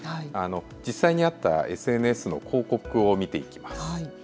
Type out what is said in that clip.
実際にあったＳＮＳの広告を見ていきます。